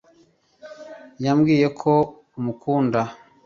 Yamubwiye ko amukunda